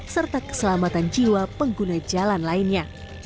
serta keselamatan jiwa pengguna jalan lainnya